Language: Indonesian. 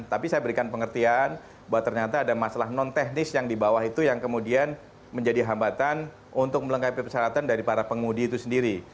tapi saya berikan pengertian bahwa ternyata ada masalah non teknis yang di bawah itu yang kemudian menjadi hambatan untuk melengkapi persyaratan dari para pengudi itu sendiri